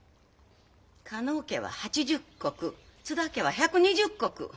加納家は８０石津田家は１２０石。